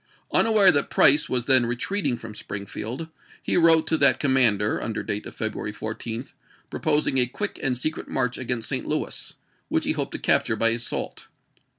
Unaware that Price was then retreating from Springfield, he wrote to that commander, under date of February 14, proposing a quick and secret march against St. Louis, which he hoped to capture by assault.